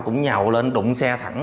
cũng nhào lên đụng xe thẳng